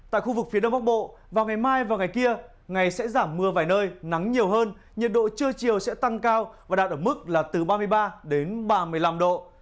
tại khu vực phía đông bắc bộ vào ngày mai và ngày kia ngày sẽ giảm mưa vài nơi nắng nhiều hơn nhiệt độ trưa chiều sẽ tăng cao và đạt ở mức là từ ba mươi ba đến ba mươi năm độ